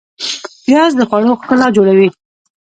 پیاز د خوړو ښکلا جوړوي